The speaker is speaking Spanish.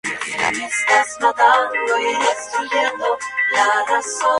El pluralismo de valores es opuesto al "monismo de valores".